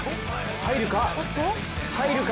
入るか？